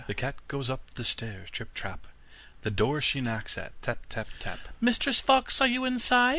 The cat goes up the stairs trip, trap, The door she knocks at tap, tap, tap, 'Mistress Fox, are you inside?